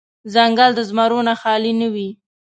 ځنګل د زمرو نه خالې نه وي.